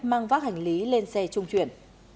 mang vác hành lý lên xe trung chuyển